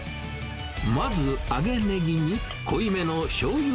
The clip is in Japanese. まず、揚げネギに濃いめのしょうゆ